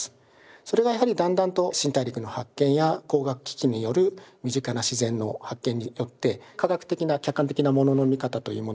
それがやはりだんだんと新大陸の発見や光学機器による身近な自然の発見によって科学的な客観的なものの見方というものがですね